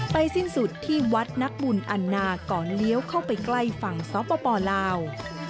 สิ้นสุดที่วัดนักบุญอันนาก่อนเลี้ยวเข้าไปใกล้ฝั่งสปลาว